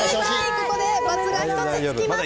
ここで×が１つつきます。